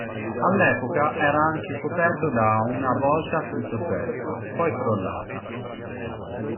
All'epoca era anche coperto da una volta a tutto sesto, poi crollata.